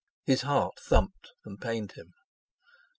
His heart thumped and pained him.